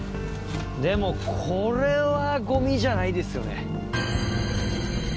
でもこれはゴミじゃないですよね。